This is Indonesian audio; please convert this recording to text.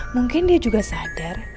mungkin dia juga sadar